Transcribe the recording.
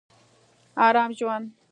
ارام ژوند